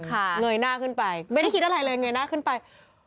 เงยหน้าขึ้นไปไม่ได้คิดอะไรเลยเงยหน้าขึ้นไป